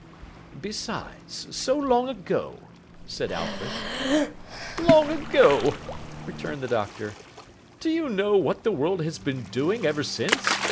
'Besides—so long ago,' said Alfred. 'Long ago!' returned the Doctor. 'Do you know what the world has been doing, ever since?